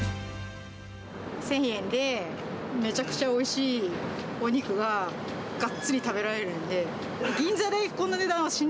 １０００円でめちゃくちゃおいしいお肉ががっつり食べられるんで。